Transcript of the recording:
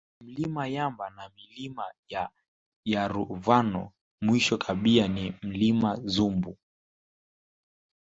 Mlima Yamba na Milima ya Yaruvano mwisho kabia ni Mlima Zumbu